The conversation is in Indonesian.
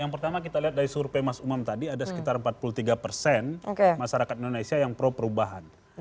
yang pertama kita lihat dari survei mas umam tadi ada sekitar empat puluh tiga persen masyarakat indonesia yang pro perubahan